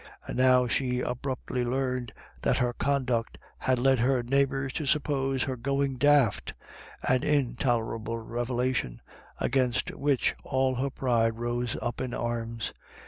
And now she abruptly learned that her conduct had led her neighbours to suppose her going daft, an in tolerable revelation, against which all her pride rose up in arms.